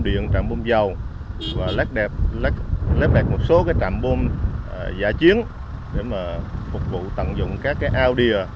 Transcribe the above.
viện tạm bôm dầu và lép đẹp một số tạm bôm giả chiến để phục vụ tận dụng các ao đìa